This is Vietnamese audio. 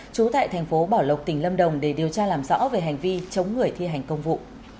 trú tại thành phố bảo lộc tỉnh lâm đồng để điều tra làm rõ về hành vi chống người thi hành công vụ